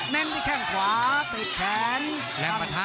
เน้นด้วยแข่งขวาเตะแขน